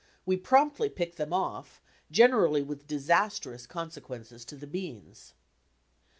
We promptly picked them ofi", gener ally with disastrous consequences to the beans.